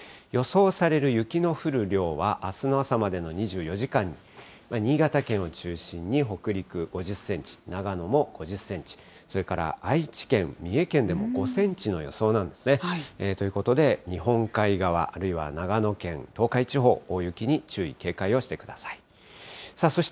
予想される雪の降る量は、あすの朝までの２４時間に、新潟県を中心に北陸５０センチ、長野も５０センチ、それから愛知県、三重県でも５センチの予想なんですね。ということで、日本海側、あるいは長野県、東海地方、大雪に注意、警戒をしてください。